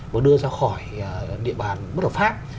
và đưa ra khỏi địa bàn bất hợp pháp